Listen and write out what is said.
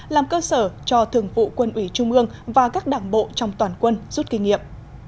làm cơ sở cho thường vụ quân ủy trung ương và các đảng bộ trong toàn quân rút kinh nghiệm